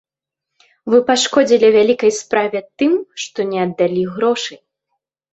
Вы пашкодзілі вялікай справе тым, што не аддалі грошай.